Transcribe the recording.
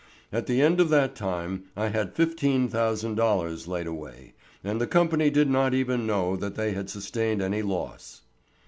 At the end of that time I had fifteen thousand dollars laid away; and the company did not even know that they had sustained any loss.